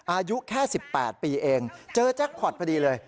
อายุแค่๑๘ปีเองเจอแจ็คพอร์ตพอดีเลย